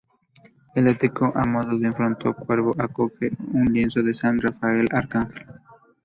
El ático, a modo de frontón curvo, acoge un lienzo de San Rafael Arcángel.